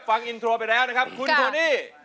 ฟังอินโทรไปแล้วนะครับคุณโทนี่